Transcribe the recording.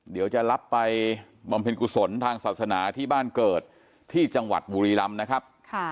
เดี๋ยวจะรับไปบำเพ็ญกุศลทางศาสนาที่บ้านเกิดที่จังหวัดบุรีรำนะครับ